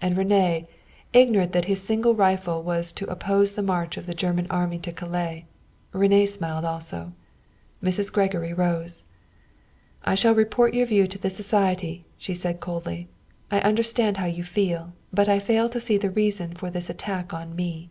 And René, ignorant that his single rifle was to oppose the march of the German Army to Calais René smiled also. Mrs. Gregory rose. "I shall report your view to the society," she said coldly. "I understand how you feel, but I fail to see the reason for this attack on me."